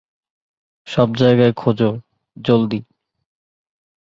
সব জায়গা খোঁজো, জলদি।